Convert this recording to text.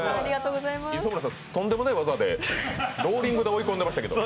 磯村さん、とんでもない技でローリングで追い込んでましたけど？